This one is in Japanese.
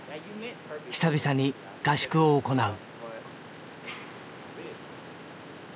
久々に合宿を行う。